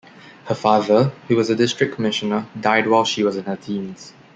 Her father, who was a district commissioner, died while she was in her teens.